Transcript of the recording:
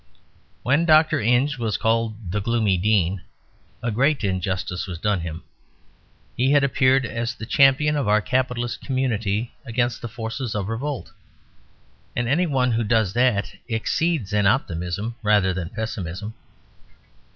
When Dr. Inge was called "the Gloomy Dean" a great injustice was done him. He had appeared as the champion of our capitalist community against the forces of revolt; and any one who does that exceeds in optimism rather than pessimism.